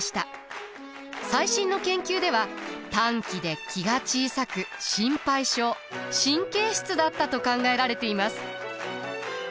最新の研究では短気で気が小さく心配性神経質だったと考えられています。